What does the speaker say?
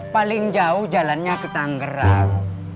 paling jauh jalannya ke tanggerang